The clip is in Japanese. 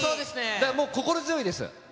だから心強いです。